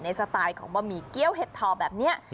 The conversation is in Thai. สไตล์ของบะหมี่เกี้ยวเห็ดทอแบบนี้